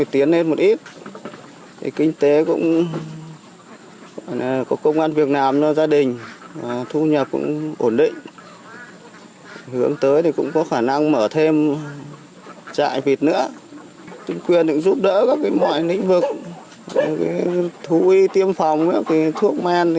thu y tiêm phòng thuốc men khử trùng huyện xã cũng cho